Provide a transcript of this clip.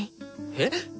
えっ！？